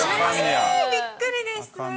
えー、びっくりです。